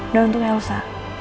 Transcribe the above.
dan untuk elsa